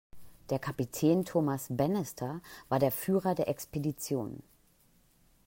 Der Kapitän Thomas Bannister war der Führer der Expeditionen.